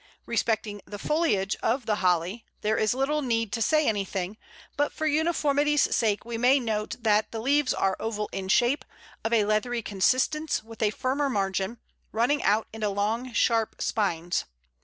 Respecting the foliage of the Holly, there is little need to say anything, but for uniformity's sake we may note that the leaves are oval in shape, of a leathery consistence, with a firmer margin, running out into long sharp spines.